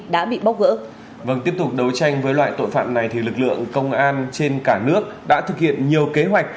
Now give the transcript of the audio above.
vâng tiếp tục đấu tranh với loại tội phạm này thì lực lượng công an trên cả nước đã thực hiện nhiều kế hoạch